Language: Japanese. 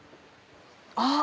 あっ！